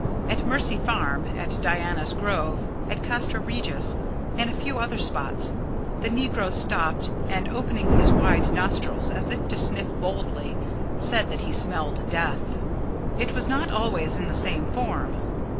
At Mercy Farm, at Diana's Grove, at Castra Regis, and a few other spots, the negro stopped and, opening his wide nostrils as if to sniff boldly, said that he smelled death. It was not always in the same form.